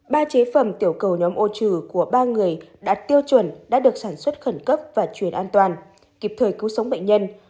ba chế phẩm tiểu cầu nhóm ô trừ của ba người đạt tiêu chuẩn đã được sản xuất khẩn cấp và chuyển an toàn kịp thời cứu sống bệnh nhân